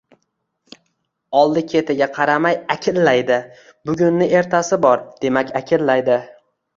Oldi-ketiga qaramay, akillaydi. Bugunni ertasi bor, demay akillaydi.